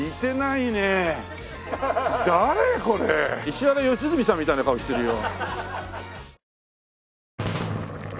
石原良純さんみたいな顔してるよ。